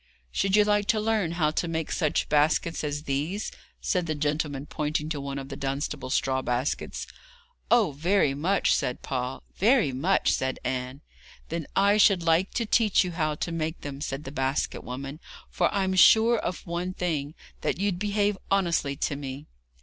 'Should you like to learn how to make such baskets as these?' said the gentleman, pointing to one of the Dunstable straw baskets. 'Oh, very much!' said Paul. 'Very much!' said Anne. 'Then I should like to teach you how to make them,' said the basket woman, 'for I'm sure of one thing, that you'd behave honestly to me.'